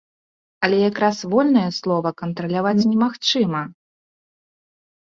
Але як раз вольнае слова кантраляваць немагчыма.